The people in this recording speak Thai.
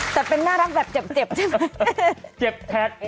แต่เป็นน่ารักแบบเจ็บใช่ไหม